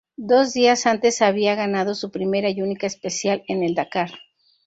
Dos días antes había ganado su primera y única especial en el Dakar.